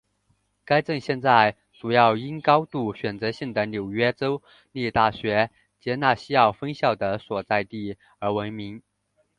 该镇现在主要因高度选择性的纽约州立大学杰纳西奥分校的所在地而闻名。